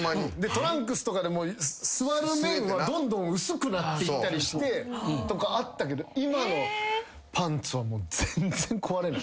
トランクスとかでも座る面はどんどん薄くなっていったりしてとかあったけど今のパンツは全然壊れない。